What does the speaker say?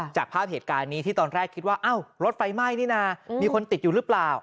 จากภาพเหตุการณ์นี้ที่ตอนแรกคิดว่าอ้าวรถไฟไหม้นี่นะมีคนติดอยู่หรือเปล่า